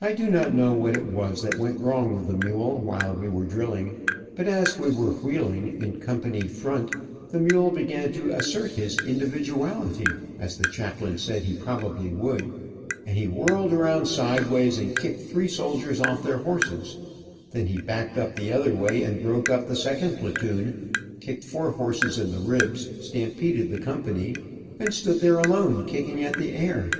I do not know what it was that went wrong with the mule while we were drilling, but as we were wheeling in company front, the mule began to "assert his individuality," as the chaplain said he probably would, and he whirled around sideways and kicked three soldiers off their horses; then he backed up the other way and broke up the second platoon, kicked four horses in the ribs, stampeded the company, and stood there alone kicking at the air.